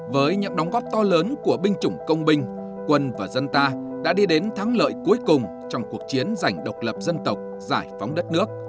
với những đóng góp to lớn của binh chủng công binh quân và dân ta đã đi đến thắng lợi cuối cùng trong cuộc chiến giành độc lập dân tộc giải phóng đất nước